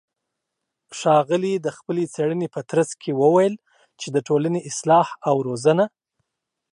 ښاغلى د خپلې څېړنې په ترڅ کې وويل چې د ټولنې اصلاح او روزنه